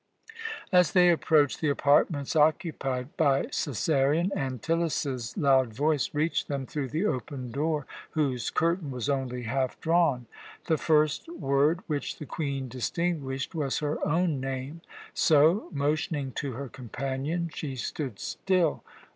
As they approached the apartments occupied by Cæsarion, Antyllus's loud voice reached them through the open door, whose curtain was only half drawn. The first word which the Queen distinguished was her own name; so, motioning to her companion, she stood still.